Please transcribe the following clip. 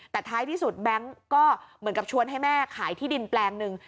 แต่ท้ายที่สุดแบงค์ก็เหมือนกับชวนให้แม่ขายที่ดินแปลงหนึ่ง